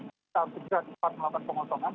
kita harus segera melakukan pengotongan